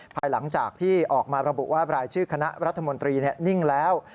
ภายหลังจากที่ออกมาระบุว่ารายชื่อคณะรัฐมนตรีนิ่งแล้ว